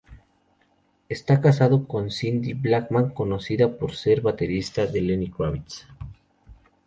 Está casado con Cindy Blackman, conocida por ser baterista de Lenny Kravitz.